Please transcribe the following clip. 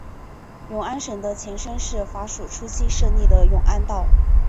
永安省的前身是法属初期设立的永安道。